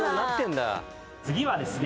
次はですね